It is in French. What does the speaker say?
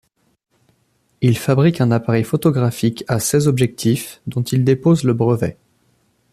Il fabrique un appareil photographique à seize objectifs, dont il dépose le brevet.